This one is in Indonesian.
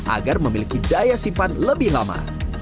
agar memiliki daya simpan lebih lama